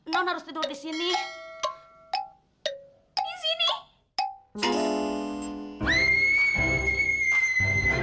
non harus tidur disini